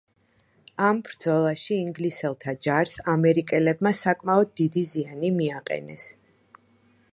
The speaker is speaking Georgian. ამ ბრძოლაში ინგლისელთა ჯარს ამერიკელებმა საკმაოდ დიდი ზიანი მიაყენეს.